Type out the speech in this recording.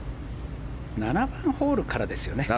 ７番ホールからですよね。